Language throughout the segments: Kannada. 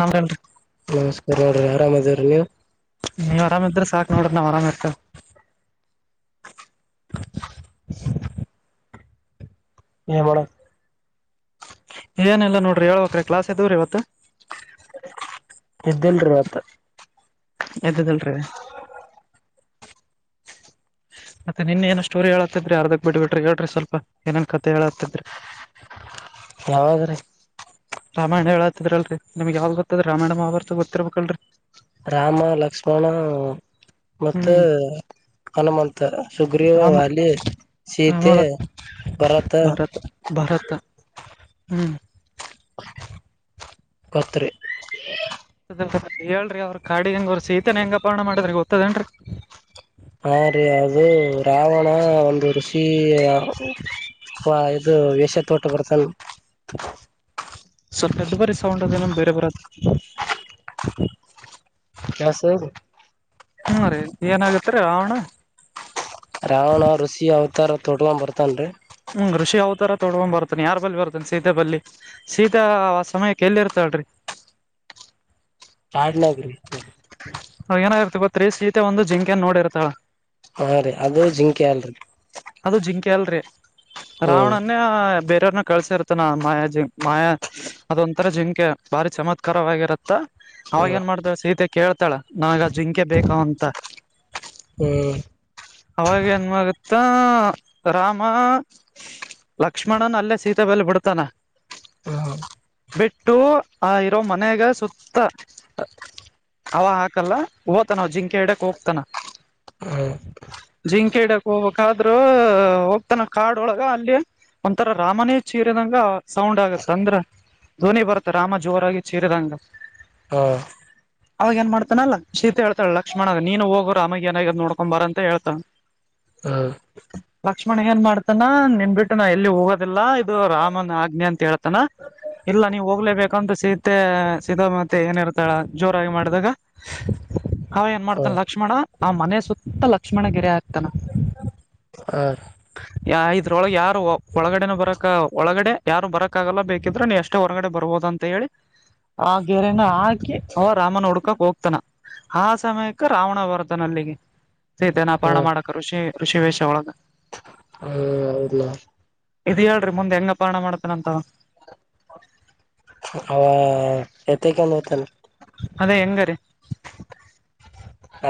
ನಮ್ಗ ಅರ್ಧ ನಮಸ್ಕಾರ ರಿ ಆರಾಮ್ ಅದೇವ್ರೀ ನೀವು ನೀವ್ ಆರಾಮಿದ್ರೆ ಸಾಕ್ ನೋಡ್ ನಾವ್ ಆರಾಮ್ ಇರ್ತವಿ ಮಾಡ ಏನಿಲ್ಲ ನೋಡ್ರಿ ಹೇಳಬೇಕ್ರಿ ಕ್ಲಾಸ್ ಇದ್ದವರಿ ಇವತ್ತು ಇದ್ದಲ್ರಿ ಆತ [inaudible] ಎ್ದದಲ್ರಿ ಮತ್ತೆ ನಿನ್ ಏನ ಸ್ಟೋರಿ ಹೇಳತಿದ್ರಿ ಅರ್ದಕ್ ಬಿಟ್ಬಿಟ್ರಿ ಹೇಳ್ರಿ ಸ್ವಲ್ಪ ಏನೇನ್ ಕತೆೆ ಹೇಳತಿದ್ರಿ ಯಾವಾಗ್ರೀ ರಾಮಾಯಣ ಹೇಳ ಹತದಲ್ರಿ ನಿಮ್ಗೆ ಯಾವ್ದ ಗತ್ತದ ರಾಯಣ ಮಾ ಬರ್ತ ಗೊತ್ತರ್ಬೇಕಲ್ರರಿ ರಾಮ ಲಕ್ಷ್ಮಣ ಮತ್ತು ಹ್ಮ್ ಹನುಮಂತ ಸುಗ್ರೀವ ರಾಮ ವಾಲಿ ರಾಮ ಸೀತೆ ಭರತ ಭಾರತ ಭಾರತ ಹ್ಮ್ ಮತ್ತ ರೀ ಹೇಳ್ರಿ ಅವ್ರ ಕಾಡಿ ಹೆಂಗ ಅವ್ರ ಶೀತನ ಹೆಂಗ ಅಪಹರಣ ಮಾಡದ್ರ ಗೊತ್ತತದೇನ್ರರಿ ಹ ರೀ ಅದು ರಾವಣ ಒಂದು ರುಷಿ ಇದು ವಷ [unintelligible] ತೋಟ ಬರ್ತನ [unintelligible] ಸ್ವಲ್ಪ ಪದ್ದ ಬರಿ ಸೌಂಡ್ ಅದನ ಬೇರೆ ಬರದು ಕೆಲ್ಸ [inaudible] ಹ್ಮ್ ರೀ ಏನಾಗುತ್ತೆ ಎ ರಾವಣ ತೊಟಕೊ ಬರ್ತಾನನ್ ರೀ ಹ್ಮ ಋಷಿ ಅವತರ ತೊಡ್ಕೊಂಡ್ ಬರ್ತನ ಯಾರ್ ಬಲ್ಲಿಬರ್ತನ್ ಸೀತ ಬಲ್ಲಿ ಸೀತಾ ಆ ಸಮಯಕ್ಕೆ ಎಲ್ಲಿ ಇರ್ತಾಳಿರಿ ಹಾಡ್ಲಗ್ರಿ ಅವಗ ಏನಾಗಿರ್ತಿ ಗೊತ್ತ ರಿ ಸೀತೆ ಒಂದು ಜಿಂಕೆನ್ ನೋಡಿರ್ತಳ ಹಾ ರೀ ಅದು ಜಿಂಕೆ ಅಲ್ರಿ ಅದು ಜಿಂಕೆ ಅಲ್ರಿ ಹ್ಮ್ ರಾವಣನ್ನೇ ಬೇರೆ ದೇವ್ರ್ ನ ಕಳಸಿರ್ತ್ತಾನ ಮಾಯ ಜಿ ಮಾಯಾ ಅದೊಂಂತರ ಜಿಂಕೆ ಬಾರಿ ಚಮತ್ಕಾರವಾಗಿರುತ್ತಾ ಅವಾಗ ಹ್ಮ್ ಏನ್ ಮಾಡತವ ಸೀತೆ ಕೇಳ್ತಾಳ ನಾವಾಗ ಜಿಂಕೆ ಬೇಕ ಅಂತ ಹ್ಮ್ ಅವಾಗ ಏನಗುತ್ತ ರಾಮ ಲಕ್ಷ್ಮಣನ ಅಲ್ಲೇ ಸೀತ ಬಲ್ಲೆ ಬಿಡ್ತಾನ ಹಾ ಹ [inaudible] ಬಿಟ್ಟು ಆ ಇರೋ ಮನೆಗ ಸುತ್ತ ಅವ ಹಾಕಲ್ಲ ಹೋತಾನ ಅವ ಜಿಂಕೆ ಇಡ್ಯಾಕ್ ಹೋಗತಾನ ಹ ಜಿಂಕೆ ಇಡ್ಯಾಕ್ ಹೋಗಬೇಕಾದ್ರೂ ಹೋಗ್ತಾನ ಕಾಡೊಳಗ ಅಲ್ಲಿ ಒಂಂತರ ರಾಮನೇ ಚೀರಿದಂಗ ಸೌಂಡ್ ಆಗತ್ತ ಅಂದ್ರ ಧ್ವನಿ ಬರತ್ತ ರಾಮ ಜೋರಾಗಿ ಚೀರಿದಂಗ ಹಾ ಅವಾಗ ಏನ್ ಮಾಡ್ತಾನಲ್ಲ ಶೀತೆ ಹೇತಾಳ ಲಕ್ಷ್ಮಣಗ ನೀನು ಹೋಗೋರು ಆಮಗ ನ ನೋಡ್ಕೊ ಬರಂತ ಅಂತ ಹೇಳ್ತಾನ ಹಾ ಲಕ್ಷ್ಮಣ ಏನ್ ಮಾಡ್ತಾನ ನಿನ್ ಬಿಟ್ಟು ನಾ ಎಲ್ಲಿ ಹೋಗೋದಿಲ್ಲ ಇದು ರಾಮನ್ ಆಗ್ಅಂತ ಹೇಳ್ತಾನ ಇಲ್ಲ ನೀವ್ ಹೋಗ್ಲೇಬೇಕಂತ ಸೀತೆ ಸೀತಾ ಮತ್ತೆ ಏನಿರ್ತಾಳ ಜೋರಾಗಿ ಮಾಡಿದಾಗ ಹ್ ಏ ಹ್ಮ್ ಮಾಡತನ್ ಲಕ್ಷ್ಮಣ ಆ ಮನೆ ಸುತ್ತಲಕ್ಕ ಲಕ್ಷ್ಮಣಗೆರ ತನು ಹ ಹ್ಮ ಯಾ ಇದ್ರೊಳಗೆ ಯಾರು ಒಳಗಡೆನ ಬರಕ್ ಒಳಗಡೆ ಯಾರು ಬರಕ್ ಆಗಲ್ಲ ಬೇಕಿದ್ರ ನೀ ಅಷ್ಟೇ ಹೊರಗಡೆ ಬರ್ಬೋದಂತ ಹೇಳಿ ಆ ಗೇರನ ಹಾಕಿ ಅವ ರಾಮನ ಹುಡ್ಕಕಾಕ ಹೋಗ್ತಾನ ಆ ಸಮಯಕ್ಕೆ ರಾವಣ ಬರ್ತಾನ ಅಲ್ಲಿಗೆ ಸೀತನ ಅಪ್ಪರಣ ಮಾಡಕ ಋಷಿ ಕೃಷಿ ವೇಷ ಒಳ ಹ ಹೌದು ಇದ್ ಹೇಳ್ರಿ ಮುಂದೆ ಹೆಂಗ ಅಪರ್ಣ ಮಾಡ್ತನಂತ. ಅವ [unintelligible] ಎತ್ತ್ಯಾಕೊಂಡ ಹೋತನ ರಿ ಅದೇ ಹೆಂಗರಿ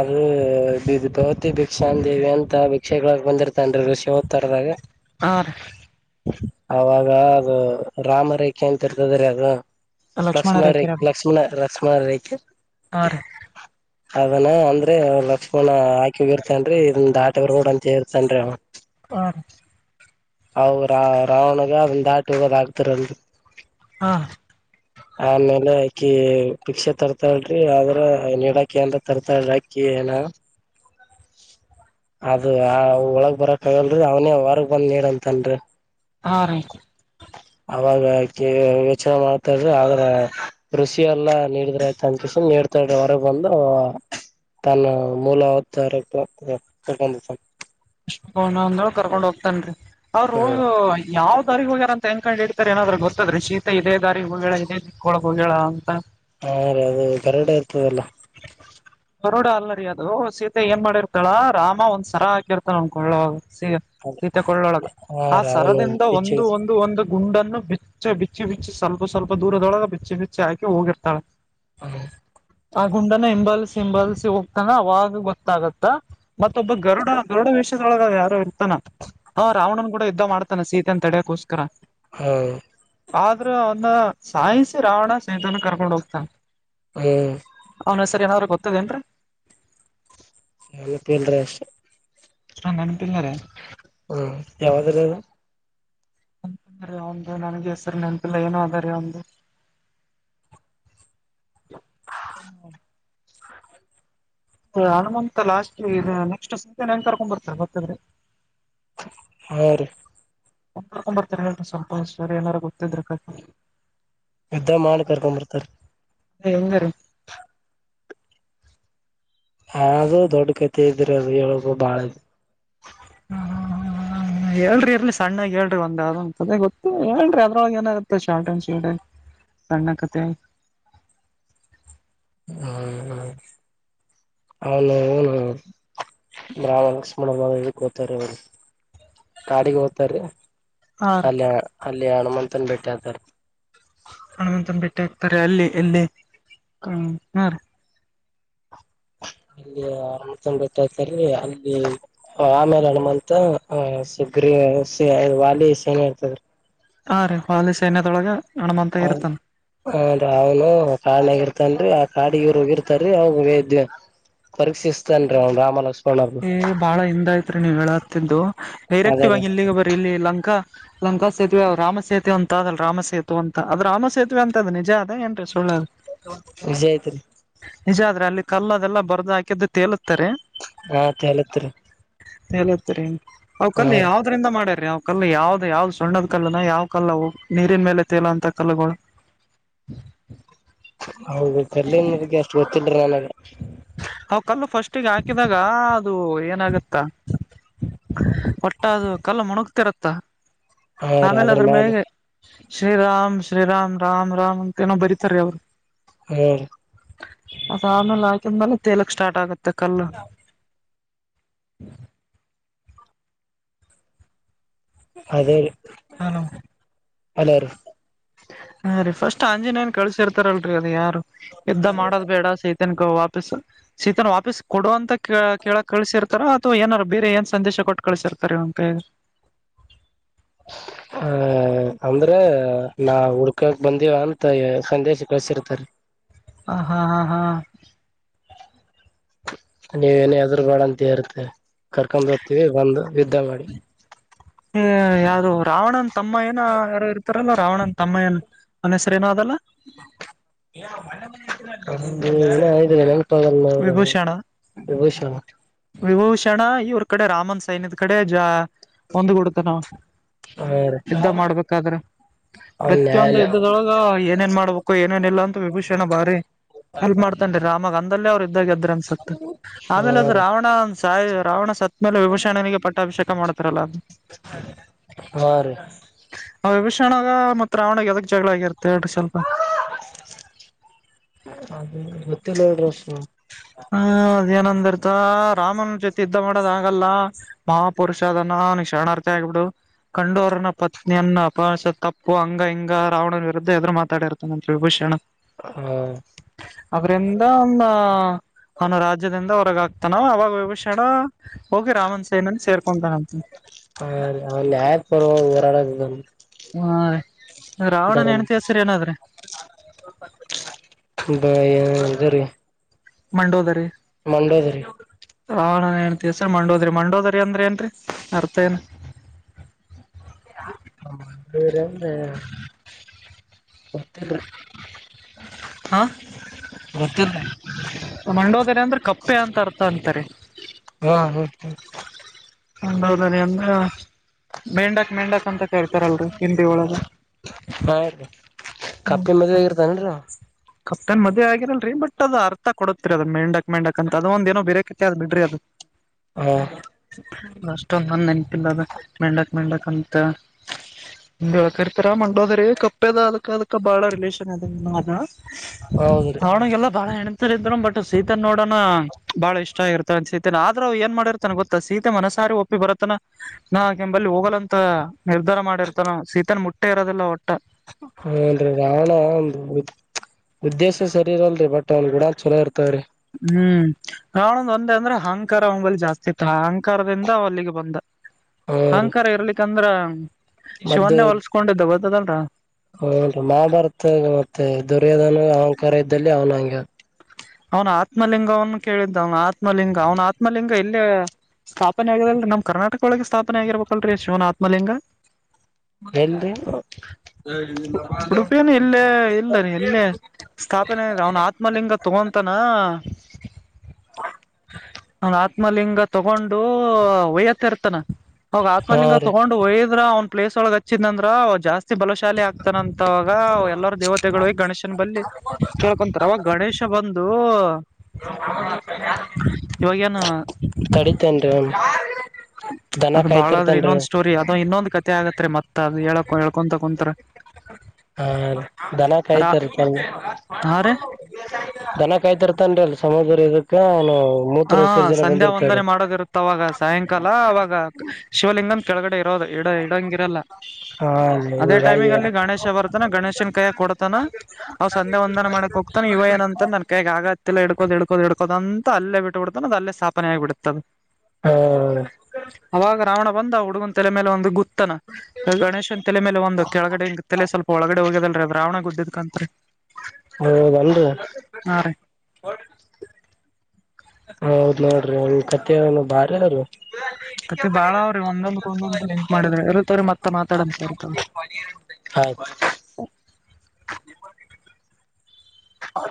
ಅದ್ ಭವತಿ ಭಿಕ್ಷಾ ದೇವಿ ಅಂತ ಭಿಕ್ಷೆಬೇಡಾಕ ಬಂದಿರ್ತನ್ರಿ ಋಷಿ ಅವತಾರದಾಗ ಹರಿ ಅವಾಗ ಅದು ರಾಮ ರೇಖೆ ಅಂತ ಇರ್ತದ ರೀ ಅದು ಲಕ್ಷ್ಮಣ ರ ಲಕ್ಷ್ಮಣ ಲಕ್ಷ್ಮಣ ರೇಕ ಹಾ ರೀ ಅದನ ಅಂದ್ರೆ ಲಕ್ಷ್ಮಣ ಹಾಕಿ ಹೋಗಿರ್ತನರಿ ಇದನ ದಾಟಿ ಬರಬೇಡ ಅಂತ ಹೇಳಿರ್ತನರಿ ಅವ್ನ ಹಾ ರೀ ಅವ ರಾ ರಾವಣಗೆ ಅದ್ ದಾಟಿ ಇರೋದ ಆಾಕ್ತಾರಲ್ ಹಾ. ಆಮೇಲೆ ಅಕ್ಕಿ ಭಿಕ್ಷೆ ತರ್ತಾಳ್ರಿ ಆದ್ರ ನೀಡಾಕಿ ಅಂದ್ರ ತರ್ತಾಳಿ ಅಕ್ಕಿ ಏನ ಅದು ಆ ಒಳಗ್ ಬರಕ್ ಆಗಲ್ರರಿ ಅವನ ಹೊರಗ್ ಬಂದ್ ನೀರ್ ಅಂತನ್ರಿ [unintelligible] ಹಾ ರೀ ಅವಾಗ ಯೋಚನೆ ಮಾಡ್ತಾಡ್ರಿ ಆದ್ರ ರುಷಿ ಎಲ್ಲಾ ನೀಡಿದ್ರ ಆಯ್ತ ಅಕೃಷನ್ ನೀಡ್ತಾ ಇದ್ರಿ ಹೊರಗ್ ಬಂದು ತನ್ನ ಮೂಲ ಅವತಾರ ಸರ್ಕೊಂಡ ಅವರು ಯಾವ ದಾರಿ ಹೋಗ್ಯಾರಂತ ಎನ್ಕೊಂಡ್ ಹೇಳಿ. ನಾದ್ರ ಗೊತ್ತದ್ರೀ ಶೀತ ಇದದೆೇ ದಾರಿ ಹೋಗ ಹೇಳಾ ಇದೇ ದಿಕ್ಕ ಒಳಗ್ ಹೋ ಹಾ ರೀ ಅದು ಕರಡೆ ಇರ್ತದಲ್ಲಾ ಗರಡ ಅಲ್ಲರಿ ಅದು ಸೀತೆ ಏನ್ ಮಾಡಿರ್ತಾಳ ರಾಮ ಒಂದ್ ಸರ ಹಾಕಿರ್ತಳ ಅನ್ಕೊಳ್ಳೋ ಸ ಸೀತೆ ಕೊಳ್ಳೊಳಗ ಹಾ ಆ ರೀ ಅದನ್ನು ಸರದಿಂದ ಹೆಚ್ಚ ಒಂದು ಒಂದು ಒಂದು ಗುಂಡನ್ನು ಬಿಚ್ಚಿ ಬಿಚ್ಚಿ ಬಿಚ್ಚಿ ಸ್ವಲ್ಪ ಸ್ವಲ್ಪ ದೂರದೊಳಗೆ ಬಿಚ್ಚಿ ಬಿಚ್ಚಿ ಹಾಕಿ ಹೋಗಿರ್ತಾಳೆ ಹ್ಮ ಆ ಗುಂಡನ್ನ ಹಿಂಬಾಲಿಸಿ- ಹಿಂಬಾಲಸಿ ಹೋಗ್ತನಾ ಅವಾಗ ಗೊತ್ತಾಗತ್ತ ಮತ್ತೊಬ್ಬ ಗರುಡ -ಗರುಡ ವೇಷದೊಳಗ ಯಾರ ಹ ರಾವಣನ್ ಕೂಡ ಇ ಮಾಡ್ತಾನ ಸೀತ ಅನ್ ತಡಿಯಕೋಸ್ಕರ [unintelligible] ಹ ಆದ್ರ ಅವನ್ನ ಸಾಯನ್ಸ ರಾವಣ ಸೈಿತನ ಕರ್ಕೊಂಡ ಹೋಗ್ತಾನ ಹ್ಮ್. ಹನ ಸರ್ ಏನಾದ್ರೂ ಗೊತ್ತದೇಏನ್ರೀ ಎಲ್ಲಪ್ಪಲ್ರಿ ಅಷ್ಟ ಚ ನೆನಪಿಲ್ಲಾರೆ ಹ್ಮ ಯಾವ್ದ್ರ ಅದು ನ ಒಂದು ನನ್ಗೆ ಹೆಸರು ನೆನಪಿಲ್ಲ ಏನು ಅದ ರೀ ಒಂದು ಹನುಮಂತ ಲಾಸ್ ನೆಕ್ಸ್ಟ್ ಸತ್ಯನ ಹೆಏನ್ ಕರ್ಕೊಂಡ್ ಬರ್ತಾರೆ ಬರ್ತಿದ್ರೆ. ಹ ರಿ ಒಂಬತ್ತೊಂಬತ್ತು ತಿಂಗಳಂಟ ಸಂಪ ಸರ್ ಏನಾರು ಗೊತ್ತಿದ್ರ ಕಾಯ. [inaudible] ಯುದ್ಧ ಮಾಡಿ ಕರ್ಕೊಂಬರ್ತಾರೆ ಅ ಎಂಗಾರ ಅದು ದೊಡ್ಡ ಕತೆ ಇದ್ರ ಅ ಹೇಳ ಬಾಳದು. ಹ ಹೇಳ್ರಿ ಇರ್ಲಿ ಸಣ್ಣಗ ಹೇಳ್ರಿ ಒಂದ್ ಅೊಂದ ಕತೆ ಗೊತ್ತ ಹೇಳ್ರಿ ಅದ್ರೊಳಗೆ ಏನತ್ತೆ ಶಾರ್ಟ್ ಅಂಡ್ ಸ್ವೀಟಗಿ ಸಣ್ಣ ಕತೆ ಹ್ಮ್ ಹ ಅವನು ನು ಬ್ರಾವಣ ಲಕ್ಷ್ಮಣ ಹತಾರ ಅವರು ಕಾಡಿಗೆ ಹಓ್ತಾರ ಹಾ ರೀ ಅಲ್ಲ ಅಲ್ಲ ಹನುಮಂತನ ಭೇಟೆ ಆಗ್ತಾರೆ ಹಣಮಂತ ಬೆಟ್ಟೆ ಹಾಕ್ತಾರೆ ಅಲ್ಲಿ ಎಲ್ಲಿ ಹ ರ ಇಲ್ಲಿ ಅ ತ್ ಬಿಟ್ಟತಲ್ಲಿ ಅಲ್ಲಿ ಆಮೇಲೆ ಹಣಮಂತ ಸುಗ್ರಿ ವಾಲಿ ಸೇಣಿ ಇರ್ತದ ಹಾ ರೀ ಹಾಲಸ ಎನದೊಳಗ ಹೌದ ಹೌದು ಅವನು ಕಾರಣ ಆಗಿರ್ತ [unintelligible] ನ್ರಿ ಆ ಕಾಡಗರು ಹೋಗಿರ್ತಾರ ಅವ ವೈದ್ಯ ಪರೀಕ್ಷಿಸ್ತನ್ ಅವನ್ ರಾಮ ಲಕ್ಷ್ಮಣರ್ನ ಏ ಬಾಳ ಹಿಂದ ಆಯ್ತು ನೀವಾಲ್ಗಗ್ತಿದ್ದು ಅದೇ ಡೈರೆಕ್ಟಿವ್ ರೀ ಆಗಿ ಇಲ್ಲಿಗೆ ಬರರಿ ಇಲ್ಲಿ ಲಂಕಾ ಲಂಕಾ ಸೇತುವೆ ರಾಮ ಸೇತುವೆ ಅಂತ ಅದಲ್ಲ ರಾಮ ಸೇತು ಅಂತ ಅ ರಾಮ ಸೇತುವೆ ಅಂತದ ನಿಜ ಅದ ಏನ್ರೀ ಸಳ್ಳದು. ವಿಜಯತ್ರಿ ನಿಜ ಆದ್ರೆ ಅಲ್ಲಿ ಕಲ್ಲ ಅದೆಲ್ಲ ಬರ್ದು ಹಾಕಿದ್ದು ತೇಲುತ್ತಾರೆ. ಹಾ ತಲತ್ರ ಹತ್ ಹಕಲ್ಲಿ ಯಾವ್ದ್ರಿಂದ ಮಾಡ ಯಾವ್ ಕಲ್ಲ ಯಾವ್ದ್ ಯಾವ್ದ್ ಸಣ್ಣದ್ ಕಲ್ಲನ ಯಾವ್ ಕಲ್ಲ ನೀರಿ ಮೇಲೆ ತೇಲ ಅಂತ ಕಲ್ಲುಗಳು ಹೌದು ಕಲ್ಲಿಗೆ ಎಷ್ಟು ಗೊತ್ತ [unintelligible] ಡ್ರ ನನಗೆ ಅವ್ ಕಲ್ಲು ಫಸ್ಟಿಗೆ ಹಾಕಿದಾಗ ಅದು ಏನಾಗತ್ತಾ ಕಲ್ಲ ಮುಣುಗ್ತಿರತ್ತಾ ಹೌ ರೀ ಅದ್ರ ಮೇಲೆ ಶ್ರೀ ರಾಮ್ ಶ್ರೀರಾಮ್ ರಾಮ್ ರಾಮ್ ಅಂತ ಏನೋ ಬರೀತಾರೀ ಅವ್ರು. ಹ್ಮ್ ಅ ಸಧನಲ್ಲ ಆಂದಲೆ [unintelligible] ತಕ್ ಸಾರ್ಟ್ ಆಗೆ. ಇತಕಲ್ಲ. ಹ್ಮ [inaudible] ಅದೇ ಹಲೋ ಅಲ್ಲರು ಹಾ ರೀ ಫಸ್ಟ್ ಆಂಜನೇನ್ ಕಳ್ಸಿರ್ತಾರಲ್ರಿ ಅದು ಯಾರು ಎದ್ದ ಮಾಡದ್ ಬೇಡ ಸಹತ ತನಕ ವಾಪಸ್ ಶೀತನ್ ವಾಪಸ್ ಕೊಡಂತ ಕೇಳಕ್ ಕಳ್ಸಿರ್ತಾರ ಅಥವಾ ಏನಾರ ಬೇರೆ ಏನ್ ಸಂದೇಶ ಕೊಟ್ಟು ಕಳ್ಸಿರ್ತಾರೆ ಇವ್ನಿಕೈಗ್ ಹ ಅಂದ್ರೆ ನಾ ಹುಡ್ಕಕ್ ಬಂದೀಿವ ಅಂತ ಸಂದೇಶ ಕಳ್ಸಿರ್ತಾರ [unintelligible] ಹ ಹಾ ಹಾ ಹಾ ನೀವೇನ ಹೆದರು ಬಾಡ ಅಂತ ಹೇರ್ತ ಕರ್ಕೊಂಡ್ ಹೋಗದ್ತೀವಿ ಬಂದು. ಯುದ್ಧ ಮಾಡಿ [inaudible] ಹ ಯಾರಿ ರಾವಣಂ ತಮ್ಮ ಏನ ಯಾರು ಇರ್ತಾರಲ್ಲ ರಾವಣ ತಮ್ಮನ್ ಅನ ಹೆಸರು ನ ಅದಲ್ಲ [inaudible] ಪ ವಿಭೂಷಣ ಮಾಡಷ ವಿಭೂಷಣ ಇವ್ರ ಕಡೆ ರಾಮನ್ ಸೈನ್ಯದ ಕಡೆ ಜ ಒಂದ್ಗೂಡತ ನಾವು ಹಾ ರೀ ಯುದ್ಧ ಮಾಡ್ಬೇಕಾದ್ರೆ ಅವ್ನ್ ಪ್ರತಿಯೊಂದು ನ್ಯಾಯಾಲ ಯುದ್ಧದೊಳಗ ಏನೇನ್ ಮಾಡ್ಬೇಕು ಏನೇನ್ ಇಲ್ಲ ಅಂತ ವಿಭೂಷಣ ಬಾರಿ ಹೆಲ್ಪ್ ಮಾಡ್ತನ್ ರಾಮಾಗ ಅಂತ ಅಲ್ಲ. ಗ್ರ ಅನ್ಸ ಹಾ ಆಮೇಲೆ ಅದು ರೀ ರಾವಣಂದ ಸಾಯ ರಾವಣ ಸತ್ ಮೇಲೆ ವಿಭೂಷಣನಿಗೆ ಪಟ್ಟ ಅಭಿಷೇಕ ಮಾಡ್ತಾರಲ್ಲ ಹಾ ರೀ ಅದು ವಿಭೂಷಣ. ಕ್ಣ ಮತ್ ರಾವಣೆಗೆ ಅದಕ್ ಜಗಳ ಆಗತ್ತೆ ಅದು ತಿ ರ [inaudible] ಹಾ ಅದ ಏನಂದರ್ ರಾಮನ ಜೊತೆ ಇದುದ್ದ ಮಾಡೋದ ಆಗಲ್ಲ ಮಹಾಪುರುಷ ಅದನ್ನ ನ ಶರಣಾರ್ಥಿ ಆಗಿಬಿಡು ಕಂಡೂ್ರನ ಪತ್ನಿಯನ್ನ ಅಪಾಸ ತಪ್ಪು ಹಂಗ ಹಿಂಗ ರಾವಣನ ವಿರುದ್ಧ ಎದುರು ಮಾತಾಡಿರ್ತಾನತ್ರಿ ವಿಭೂಷಣ ಹಾ ಅದರಿಂದ ಅವನು ರಾಜ್ಯದಿಂದ ಹೊರಗ ಆಗ್ತಾನಾವ ಅವಾಗ ವಭಷಣ [inaudible] [inaudible] ಹಲ್ಲಿ ಆಯ್ತ್ ಪರ್ವ [unintelligible] ಹಾ ರ ರಾವಣನ ಹೆಣತವಿ ಧರ್ಮ ಸರಿ ಏನಾದ್ರೆ [inaudible] ಮಂಡೋದರಿ ಮಂಡೇದ್ರಿ [inaudible] ರಾವಣನಿಗೆ ಹೆಂಡತಿಯ ಹೆಸರು ಮಂಡೋದ್ರಿ ಮಂಡೋದ್ರಿ ಅಂದ್ರ ಏನ್ರೀ ಅರ್ಥ ಏನ ಹ ದೂರ [inaudible] ಮತ್ತೆ [inaudible] ಹಾ [inaudible] ಮಂಡೋದರೆ ಅಂದ್ರೆ ಕಪ್ಪೆ ಅಂತ ಅರ್ಥ ಅಂತಾರೆ ಹಾ ಹ್ಮ ಹ ಹೌದ ಅಂದ್ರ ಮೆಂಡಾಕ್ ಮೆಂಡಕ್ ಅಂತ ಕೇರ್ತಾರಲ್ರರಿ ಹಿಂದಿ ಒಳಗ ಹಾ ರೀ ಕಪ್ಪಿ ಮದದಗ ಇರ್ತನ್ರ ಕಪ್ಟೆನ್ ಮದ ಆಗಿರಲ್ರರಿ ಬಟ್ ಅದ ಅರ್ಥ ಕೊಡತತಿರಿ ಅದ ಮೇಂಡಕ್. ಮೆಂಡಕ್ ಅದು ಒಂದೇನೋ ಬೇರೆ ಅ ಬಿಡ್ರಿ ಅದು ಹಾ ಅಷ್ಟೊ ನನಪಿಲ್ಲ ಅ ಮಂಡಕ್ಂತ ಹಕ ಇರ್ತಾರ ಮಂಡೋದ್ರ ಕಪ್ಪೆದ ಅದಕ ಅದಕ ಬಾಳ ರಿಲೇಷನ್ [inaudible] ಹೌದ್ರಿ ಅವಣಗೆಲ್ಲ ಬಾಳ ಹೆಣ ಇದ್ರು ಬಟ್ ಸೀತ ನೋಡೋಣ ಬಾಳ ಇಷ್ಟ ಆಗಿರ್ತ ಅನ್ ಸೀತನ್ ಆದ್ರರು ಏನ್ ಮಾಡಿರ್ತನ್ ಗೊತ್ತಾ ಸೀತೆ ಮನಸಾರಿ ಒಪ್ಪಿ ಬರತನ ನಾ ಕೆಂಬಲ್ಲಿ ಹೋಗಲಂತ ನಿರ್ಧಾರ ಮಾಡಿರ್ತಾನ ಸೀತನ್ ಮುಟ್ ಒಟ್ಟ ಇರೋದಿಲ್ಲ ಒಟ್ಟೆ ಹನ್ರರಿ ರಣ ಒಂದು ಉದ್ದೇಶ ಸರಿ ಇರಲ್ರಿ ಬಟ್ ಅವನ್ ಗುಡಲ್ ಚಲೋ ಇರ್ತವ್ರೀ ಹ್ಮ್ ನಾನೊಂದ್ ಒಂದೇ ಅಂದ್ರೆ ಅಹಂಕಾರ ಒಂಬಲ್ ಜಾಸ್ತಿ ಇತ್ತು ಅಹಂಕಾರದಿಂದ ಅಲ್ಲಿಗೆ ಬಂದ. ಹಾ ರೀ ಅಂಕಾರ ಇರ್ಲಿಕ್ಕಂದ್ರ ಮದ್ದ ಶಿವನ್ನೇ ಹೊಲ್ಸ್ಕೊಂಡಿದ್ದವ ಇದಂಟಾ. [inaudible] [unintelligible] ಮಹಾಭಾರತ ಮತ್ತೆ ದುರ್ಯೋಧನ ಅಹಂಕಾರ ಇದ್ದಲ್ಲಿ ಅವನಂಗ ಅವನ ಆತ್ಮಲಿಂಗವನ್ನು ಕೇಳಿದ್ದ ಅವನ ಆತ್ ಆತ್ಮಲಿಂಗ ಅವ್ ಆತ್ಲಿಂಗ ಇ ಇಲ್ಲ ಸ್ಥಾಪನೆ ಆಗಲ್ರಿ ನಮ್ ಕರ್ನಾಟಕ ಒಳಗೆ ಸ್ಥಾಪನೆ ಆಗಿರ್ಬೇಕಲ್ರೀ ಶಿವನ ಆತ್ಮಲಿಂಗ ಎಲ್ರಿ ಉಡುಪಿಯನು ಇಲ್ಲೇ ಇಲ್ಲ ರೀ ಇಲ್ಲೇ ಅಂತಾನ ನನ್ ಆತ್ಮಲಿಂಗ ತಗೊಂಡು ವಯತ್ತ ಇರ್ತಾನ ಹೋಗ ಹಾ ಆತ್ಮಲಿಂಗ ರೀ ತಗೊಂಡು ಒಯದ್ರ ಒ ಪ್ಲೇಸ್ ಒಳಗೆ ಹಚ್ಚಿದ್ಂದ್ರ ಜಾಸ್ತಿ ತಿ ಬಲಶಾಲಿ ಆಗ್ತಾನ ಅಂತಾಗ ಎಲ್ಲರ ದೇವತೆಗಳು ಗಣೇಶನ ಬಲ್ಲಿ ಕೇಳ್ಕೊಂತಾರ ಅವಾಗ ಗಣೇಶ ಒಂದು ಇವಾಗೇನು [inaudible] ತಡಿತೇನ್ರಿ ಅವ್ನು ಹಾ [inaudible] ಅದ ಬಾಳಾದ್ರೆ ಇನ್ನೊಂದ್ ಸ್ಟೋರಿ ಅದ ಇನ್ನೊ ಕತೆ ಆಗತ್ತತ್ ಮತ್ತತ್ ಅದ ಹೇಳ. ಕ [inaudible] ಹಾ ದನ ರಾ ಕಾಯ್ತರ್ತ ಹಾ ರೀ ದನ ಕಾಯ್ತರ್ತನ್ ಅಲ್ ಸಮಾಜ ರ ಇದಕ್ಕ ಅವನು ಹಾ ಮೂತ್ರ ವಿಸರ್ಜನೆ ಸಂಧ್ಯಾ ಒಂದನೇ ಬಂದಿರ್ತಾರಿ ಮಾಡಗಿರುತ್ತ ಅವಾಗ ಸಾಯಂಕಾಲ ಅವಾಗ ಶಿವಲಿಂಗಂ ಕೆಳಗಡೆ ಇರೋದು ಎಡ ಇಡಂಗಿರಲ್ಲ ಹಾ ಅದೇ ಹೀಗಾಗಿ ಟೈಮಿ್ ಅಲ್ಲಿ ಗಣೇಶ ಬರ್ತಾನ ಗಣೇಶನ್ ಕೈಯ ಕೊಡ್ತಾನ ಅವ್ ಸಂಂದೆ ಒಂದನ ಮಾಡಕ್ ಹೋಗ್ತಾನ ಇವ ಏನ ಅಂತ ನನ್ ಕೈಯಗೆ ಆಗತ್ತಲ್ಲ ಹಿಡ್ಕೋದ ಹ ಎಡ್ಕೋದಂತ ಅಲ್ಲೇ ಬಿಟ್ಟ ಬಿಡದ ಅ ಸ್ಥಾಪನೆ ಆಗ್ ಬಿಡತದೆ ಹಾ ಅವಾಗ ರಾವಣ ಬಂದ ಹಡು ಹಗ ತಲೆ ಮೇಲೆ ಒಂದು ಗತ್ತನ ಗಣೇಶನ್ ತಲೆ ಮೇಲೆ ಒಂದು ಕೆಳಗಡೆ ತಲೆ ಸ್ವಲ್ಪ ಒಳಗಡೆ ಹೋಗದಲ್ರಿರಾವಣ ಗುದ್ದಿದಕಂತ ಹೌದಲ್ರಿ ಹ ಹೌದ್ ನೋಡ್ರಿ ಒ ಕಥಏನು ಬಾರಿ ಅವರು ಕತಿ ಬಾಳ ಅವ್ರಿ ಒಂದೊಂದಕ ಒಂದೊಂದ ಲಿಂಕ್ ಮಾಡಿದ್ರ ಇರತವ್ರೀ ಮತ್ತ ಮಾತಾಡನ್ ಸಾರತಾವ ಆಯ್ತು ಹೌ [inaudible]